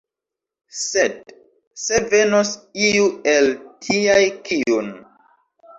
Sed se venos iu el tiaj, kiun.